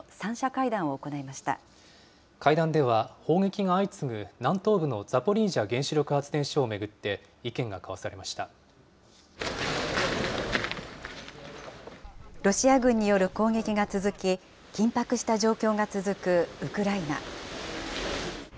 会談では、砲撃が相次ぐ南東部のザポリージャ原子力発電所をロシア軍による攻撃が続き、緊迫した状況が続くウクライナ。